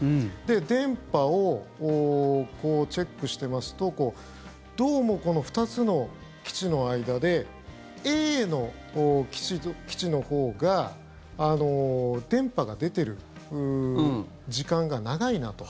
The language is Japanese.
電波をチェックしてますとどうもこの２つの基地の間でＡの基地のほうが電波が出ている時間が長いなと。